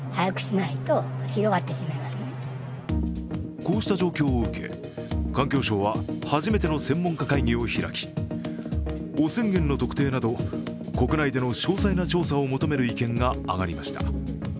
こうした状況を受け、環境省は初めての専門家会議を開き汚染源の特定など国内での詳細な調査を求める意見が上がりました。